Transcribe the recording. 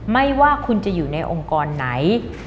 ไม่ว่าคุณจะอยู่ในองค์กรไหน